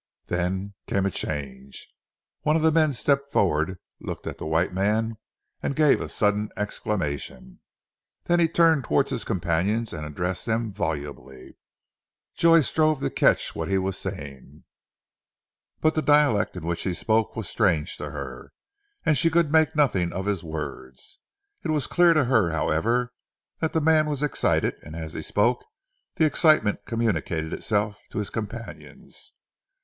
Then came a change. One of the men stepped forward, looked at the white man, and gave a sudden exclamation. Then he turned towards his companions and addressed them volubly. Joy strove to catch what he was saying, but the dialect in which he spoke was strange to her, and she could make nothing of his words. It was clear to her, however, that the man was excited, and as he spoke the excitement communicated itself to his companions.